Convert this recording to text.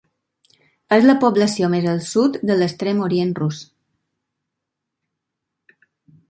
És la població més al sud de l'Extrem Orient Rus.